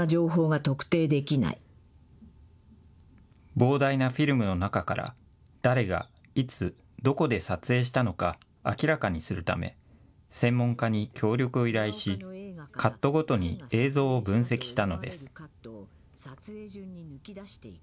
膨大なフィルムの中から誰がいつどこで撮影したのか明らかにするため専門家に協力を依頼し、カットごとに映像を分析したのです。